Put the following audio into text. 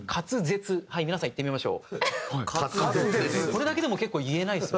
それだけでも結構言えないですよね？